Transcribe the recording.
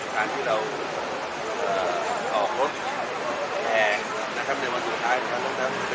ท่านพี่รอดนั้นต้องกลับไปในจดทางที่เราออกลดแหลงนะครับ